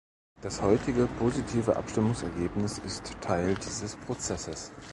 Das heutige positive Abstimmungsergebnis ist Teil dieses Prozesses.